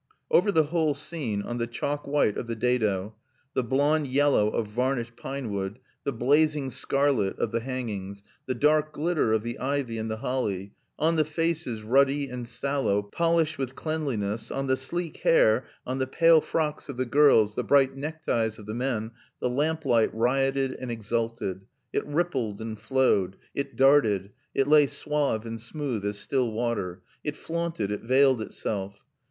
Over the whole scene, on the chalk white of the dado, the blond yellow of varnished pinewood, the blazing scarlet of the hangings, the dark glitter of the ivy and the holly; on the faces, ruddy and sallow, polished with cleanliness, on the sleek hair, on the pale frocks of the girls, the bright neckties of the men, the lamplight rioted and exulted; it rippled and flowed; it darted; it lay suave and smooth as still water; it flaunted; it veiled itself.